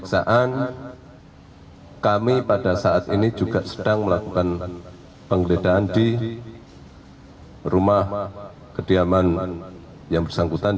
pemeriksaan kami pada saat ini juga sedang melakukan penggeledahan di rumah kediaman yang bersangkutan